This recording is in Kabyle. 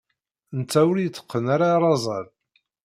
Netta ur yetteqqen ara arazal.